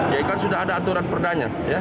ya kan sudah ada aturan perdanya